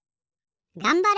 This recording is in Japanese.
がんばれ！